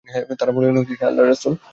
তাঁরা বললেনঃ হে আল্লাহর রাসূল!